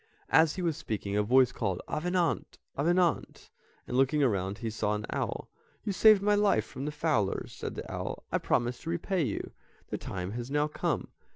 As he was speaking, a voice called, "Avenant, Avenant," and looking around he saw an owl. "You saved my life from the fowlers," said the owl. "I promised to repay you, the time has now come.